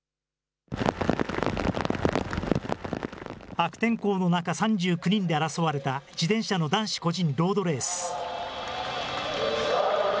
悪天候の中、３９人で争われた自転車の男子個人ロードレース。